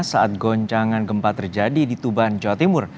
saat goncangan gempa terjadi di tuban jawa timur